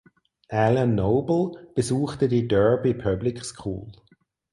Alan Noble besuchte die "Derby Public School".